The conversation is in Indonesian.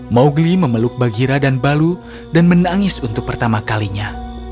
mowgli memeluk bagira dan balu dan menangis untuk pertama kalinya